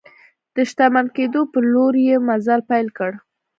د شتمن کېدو په لور یې مزل پیل کړ.